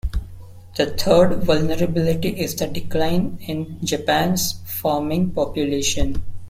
The third vulnerability is the decline in Japan's farming population.